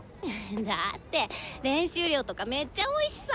だって練習量とかめっちゃ多いしさ。